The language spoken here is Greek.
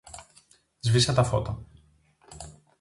Σβήσε τα φώτα.